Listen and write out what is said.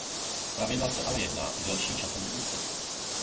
Zpravidla se ale jedná o delší časový úsek.